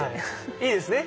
いいですね